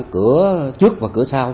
cửa trước và cửa sau